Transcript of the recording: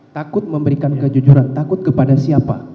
takut memberikan kejujuran takut kepada siapa